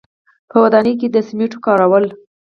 په ودانیو کې د سیمنټو کارول.